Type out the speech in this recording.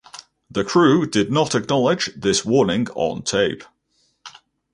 The crew did not acknowledge this warning on tape.